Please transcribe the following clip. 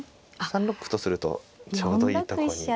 ３六歩とするとちょうどいいとこに。